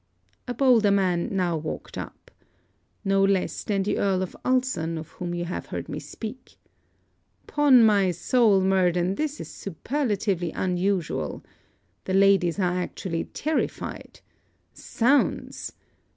A bolder man now walked up. No less than the Earl of Ulson, of whom you have heard me speak. ''Pon my soul, Murden, this is superlatively unusual! The ladies are actually terrified. Zounds!